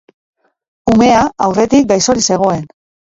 Umea aurretik gaixorik zegoen.